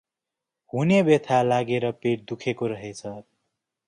हुने व्यथा लागेर पेट दुखेको रहेछ ।